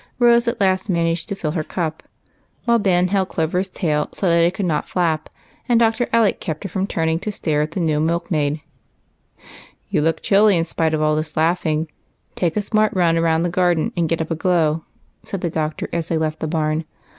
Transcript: Rose at last managed to fill her cup, while Ben held Clover's tail so that it could not flap, and Dr. Alec kept her from turning to stare at the new milk maid, who objected to both these proceedings very much. " You look chilly in spite of all this laughing. Take a smart run round the garden and get up a glow," said the doctor, as they left the barn.